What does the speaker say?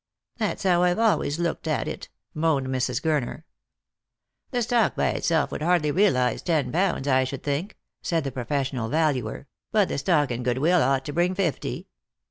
" That's how I've always looked at it," moaned Mrs. Gurner. "The stock by itself would hardly realise ten pounds, I should think," said the professional valuer ;" but the stock and good will ought to bring fifty."